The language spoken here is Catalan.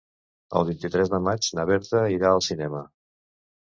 El vint-i-tres de maig na Berta irà al cinema.